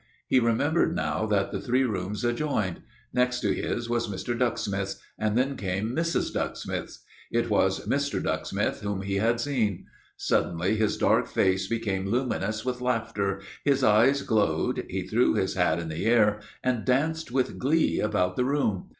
He remembered now that the three rooms adjoined. Next to his was Mr. Ducksmith's, and then came Mrs. Ducksmith's. It was Mr. Ducksmith whom he had seen. Suddenly his dark face became luminous with laughter, his eyes glowed, he threw his hat in the air and danced with glee about the room.